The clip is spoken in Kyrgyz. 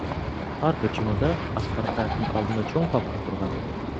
Ар бир жумада Аскар Акаевдин алдында чоң папка турган.